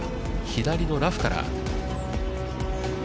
左のラフから。